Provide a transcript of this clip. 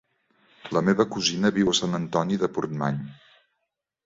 La meva cosina viu a Sant Antoni de Portmany.